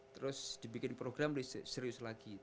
terus dibikin program serius lagi